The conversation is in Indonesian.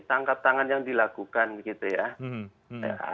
tangkap tangan yang dilakukan gitu ya